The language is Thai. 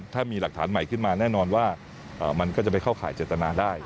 ถ้ามีหลักฐานใหม่ขึ้นมาแน่นอนว่ามันก็จะไปเข้าข่ายเจตนาได้